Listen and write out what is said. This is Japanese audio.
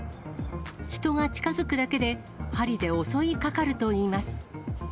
人が近づくだけで、針で襲いかかるといいます。